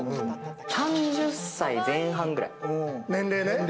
３０歳前半ぐらい？